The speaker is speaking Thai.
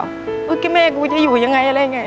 แกแม่กูจะอยู่ยังไงอะไรไง